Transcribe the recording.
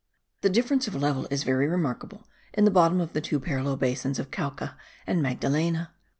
The difference of the level is very remarkable in the bottom of the two parallel basins of Cauca and Magdalena.